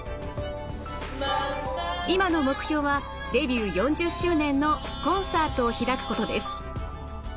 今の目標はデビュー４０周年のコンサートを開くことです。